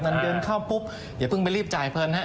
เงินเดือนเข้าปุ๊บอย่าเพิ่งไปรีบจ่ายเพลินฮะ